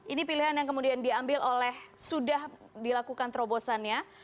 ini pilihan yang kemudian diambil oleh sudah dilakukan terobosannya